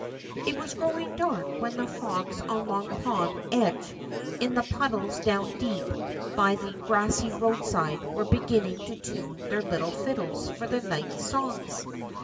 It was growing dark when the frogs on Long Pond edge and in the puddles down deep by the grassy roadside were beginning to tune their little fiddles for the night songs.